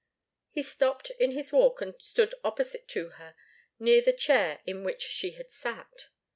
He stopped in his walk and stood opposite to her, near the chair in which she had sat.